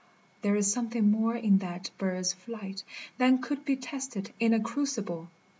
there is something more in that bird's flight Than could be tested in a crucible